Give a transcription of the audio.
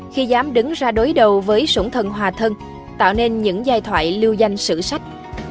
khi dám đứng ra đối đầu với sủng thần hòa thân tạo nên những giai thoại lưu danh sử sách